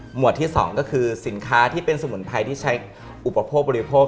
วดที่๒ก็คือสินค้าที่เป็นสมุนไพรที่ใช้อุปโภคบริโภค